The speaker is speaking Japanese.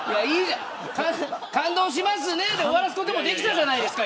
感動しますねで終わらすこともできたじゃないですか。